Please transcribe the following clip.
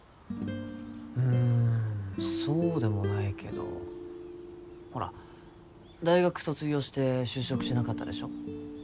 うーんそうでもないけどほら大学卒業して就職しなかったでしょ